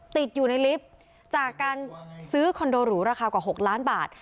ติดอยู่ในลิฟต์จากการซื้อคอนโดหรูราคากว่า๖ล้านบาท